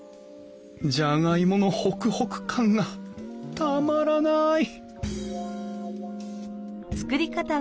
じゃがいものホクホク感がたまらない！